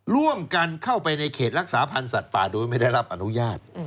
ร่วมกันเข้าไปในเขตรักษาพันธ์สัตว์ป่าโดยไม่ได้รับอนุญาต